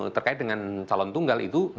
terkait dengan calon tunggal itu